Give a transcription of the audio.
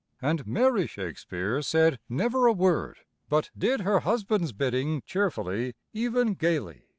And Mary Shakespeare said never a word, but did her husband's bidding cheerfully, even gayly.